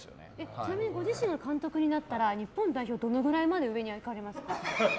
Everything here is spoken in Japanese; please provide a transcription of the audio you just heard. ちなみにご自身が監督になったら日本代表どのぐらいまで上に上がりますか？